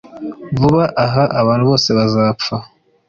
Vuba aha abantu bose bazapfa